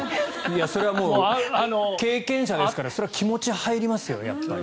それはもう経験者ですからそれは気持ち、入りますよ。